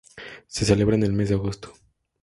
Se celebra en el mes de agosto.